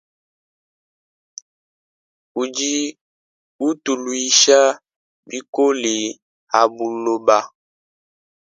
Udi utuluisha bikola habuloba.